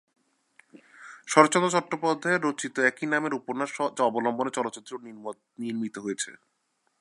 শরৎচন্দ্র চট্টোপাধ্যায় রচিত একই নামের উপন্যাস অবলম্বনে চলচ্চিত্রটি নির্মিত হয়েছে।